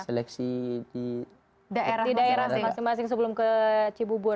seleksi di daerah masing masing sebelum ke cibubur